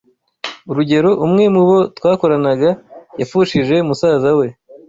Urugero, umwe mu bo twakoranaga yapfushije musaza we